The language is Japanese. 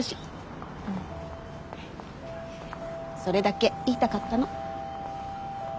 それだけ言いたかったの。